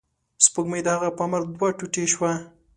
سپوږمۍ د هغه په امر دوه ټوټې شوه.